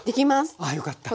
あよかった！